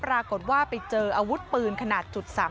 ปรากฏว่าไปเจออาวุธปืนขนาด๓๓